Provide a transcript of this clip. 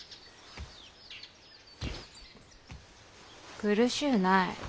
苦しうない。